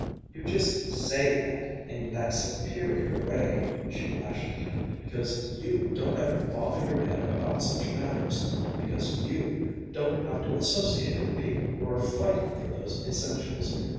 "You just say that, in that superior way," she flashed at him, "because you don't have to bother your head about such matters, because you don't have to associate with people who are fighting for those essentials.